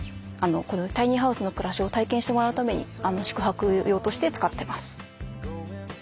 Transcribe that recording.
タイニーハウスの暮らしを体験してもらうために宿泊用として使ってます。